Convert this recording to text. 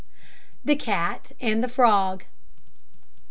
THE CAT AND THE FROG.